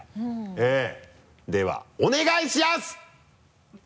えぇではお願いしやす！